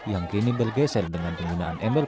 yang kini bergeser dengan penggunaan ember